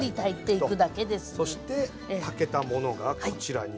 そして炊けたものがこちらに。